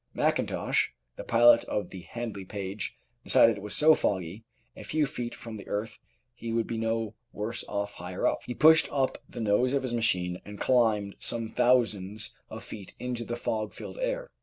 Mackintosh, the pilot of the Handley Page, decided as it was so foggy a few feet from the earth he would be no worse off higher up. He pushed up the nose of his machine and climbed some thousands of feet into the fog filled air.